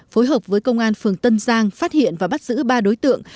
phối hợp với công an phường tân giang phát hiện và bắt giữ ba đối tượng